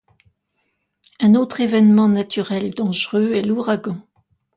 Un autre événement naturel dangereux est l'ouragan.